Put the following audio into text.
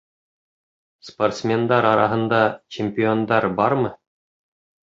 Спортсмендар араһында чемпиондар бармы?